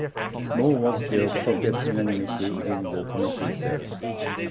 Nor was there perfect unanimity within the Committee itself.